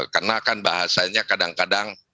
karena akan bahasanya kadang kadang